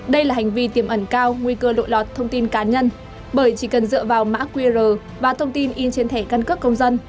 đây là hành vi tiềm ẩn cao nguy cơ lộ lọt thông tin cá nhân bởi chỉ cần dựa vào mã qr và thông tin in trên thẻ căn cước công dân